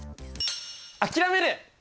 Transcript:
諦める！